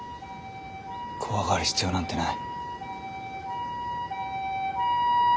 怖がる必要なんてない。